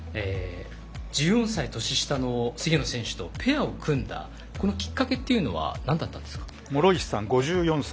１４歳年下の菅野選手とペアを組んだきっかけというのは何だったんですか。